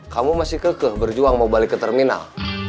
kamu masih kekeh berjuang mau balik ke terminal